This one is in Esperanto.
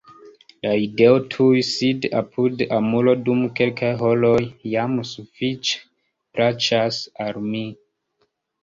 La ideo tuj sidi apud amulo dum kelkaj horoj jam sufiĉe plaĉas al mi.